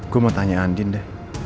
gue mau tanya andin deh